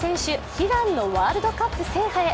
悲願のワールドカップ制覇へ。